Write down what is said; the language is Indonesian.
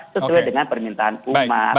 sesuai dengan permintaan umat